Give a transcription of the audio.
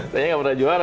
saya nggak pernah juara